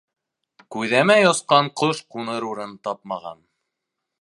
Күҙәмәй осҡан ҡош ҡуныр урын тапмаған.